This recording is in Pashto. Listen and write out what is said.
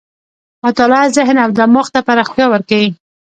مطالعه ذهن او دماغ ته پراختیا ورکوي.